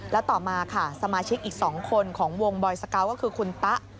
แล้วต่อมาค่ะสมาชิกอีก๒คนของวงบอยสเกาะก็คือคุณตะ